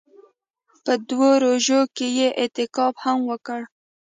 په دوو روژو کښې يې اعتکاف هم وکړ.